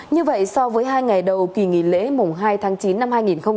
như vậy so với hai ngày đầu kỳ nghỉ lễ mùng hai tháng chín năm hai nghìn hai mươi ba